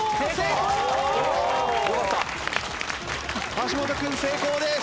橋本君成功です。